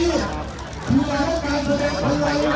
ออกไปออกไปออกไป